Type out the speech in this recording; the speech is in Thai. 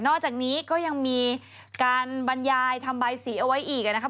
อกจากนี้ก็ยังมีการบรรยายทำใบสีเอาไว้อีกนะครับ